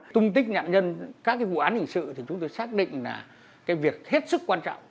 tung tích nạn nhân các cái vụ án hình sự thì chúng tôi xác định là cái việc hết sức quan trọng